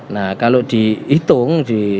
nah kalau dihitung